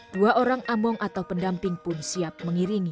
dua orang among atau pendamping pun siap mengiringi